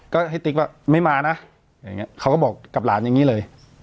ก็ให้ติ๊กว่าไม่มานะอย่างนี้เขาก็บอกกับหลานอย่างนี้เลย